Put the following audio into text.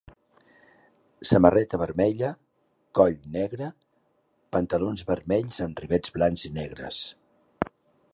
Samarreta vermella, coll negre, pantalons vermells amb rivets blancs i negres.